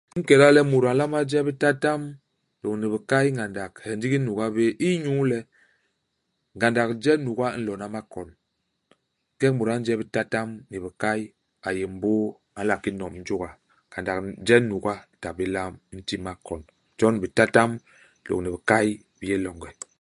I nkéla le mut a nlama je bitatam lôñni bikay ngandak he ndigi nuga bé inyu le, ngandak je nuga i nlona makon. Ingeñ mut a nje bitatam ni bikay, a yé mbôô, a nla ki nom jôga. Ngandak nn je nuga i ta bé lam, i nti makon. Jon bitatam lôñni bikay bi yé longe.